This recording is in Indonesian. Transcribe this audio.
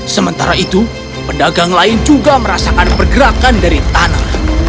sementara itu pedagang lain juga merasakan pergerakan dari tanah